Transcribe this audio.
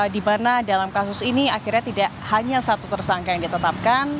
di mana dalam kasus ini akhirnya tidak hanya satu tersangka yang ditetapkan